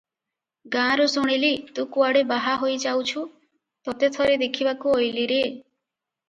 ଗାଁରୁ ଶୁଣିଲି, ତୁ କୁଆଡେ ବାହା ହୋଇ ଯାଉଛୁ, ତତେ ଥରେ ଦେଖିବାକୁ ଅଇଲି ରେ ।